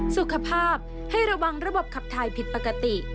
สุขภาพให้ระวังระบบขับถ่ายผิดปกติ